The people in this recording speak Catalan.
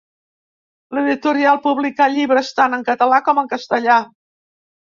L'editorial publicà llibres tant en català com en castellà.